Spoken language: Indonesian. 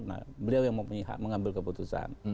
nah beliau yang mengambil keputusan